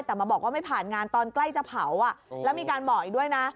แต่มาบอกว่าไม่ผ่านงานตอนใกล้จะเผาแล้วมีการบอกอีกด้วยนะ